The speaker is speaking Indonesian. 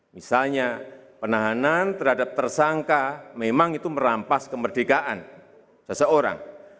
misalnya penahanan terhadap tersangka memang itu merampas kemerdekaan seseorang